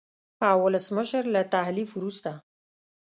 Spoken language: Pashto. او ولسمشر له تحلیف وروسته